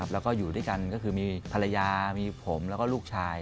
แล้วก็อยู่ด้วยกันก็คือมีภรรยามีผมแล้วก็ลูกชาย